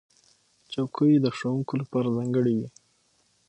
چوکۍ د ښوونکو لپاره ځانګړې وي.